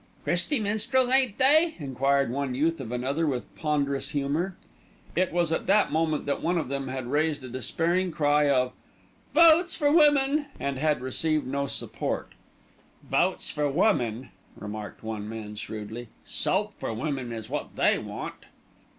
"Christy Minstrels, ain't they?" enquired one youth of another with ponderous humour. It was at the moment that one of them had raised a despairing cry of "Votes for Women," and had received no support. "Votes for Women!" remarked one man shrewdly. "Soap for Women! is what they want."